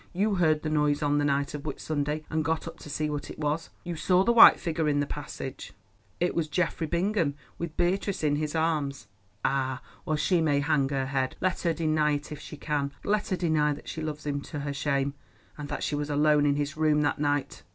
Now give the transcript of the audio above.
You heard the noise on the night of Whit Sunday, and got up to see what it was. You saw the white figure in the passage—it was Geoffrey Bingham with Beatrice in his arms. Ah! well may she hang her head. Let her deny it if she can. Let her deny that she loves him to her shame, and that she was alone in his room on that night."